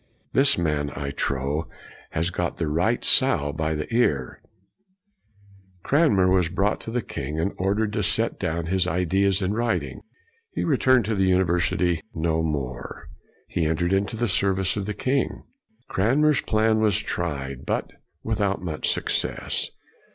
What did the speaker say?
This man, I trow, has got the right sow by the ear.' 1 Cranmer CRANMER 79 was brought to the king, and ordered to set down his ideas in writing. He re turned to the university no more. He entered into the service of the king. Cranmer's plan was tried, but without much success.